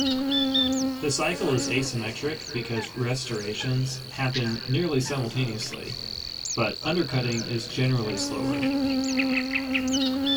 The cycle is asymmetric because restorations happen nearly simultaneously, but undercutting is generally slower.